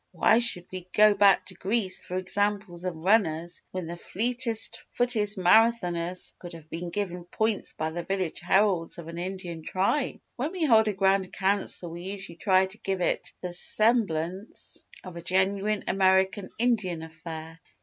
"Why should we go back to Greece for examples of runners when the fleetest footed Marathoners could have been given points by the village heralds of an Indian Tribe? "When we hold a Grand Council we usually try to give it the semblance of a genuine American Indian affair.